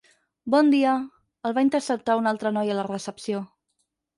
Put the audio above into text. Bon dia —el va interceptar una altra noia a la recepció—.